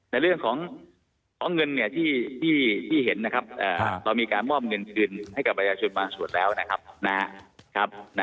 ในเรื่องของเงินที่เห็นนะครับเรามีการมอบเงินคืนให้กับประชาชนบางส่วนแล้วนะครับ